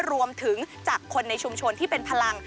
รวมถึงจากคนในชุมชนที่เป็นพลัง